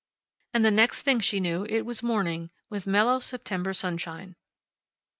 And the next thing she knew it was morning, with mellow September sunshine.